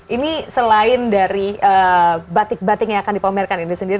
ini selain dari batik batik yang akan dipamerkan ini sendiri